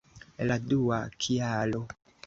La dua kialo!